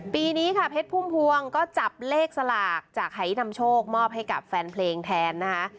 ปีนี้ค่ะเพชรพุ่มพวงก็จับเลขสลากจากหายนำโชคมอบให้กับแฟนเพลงแทนนะคะ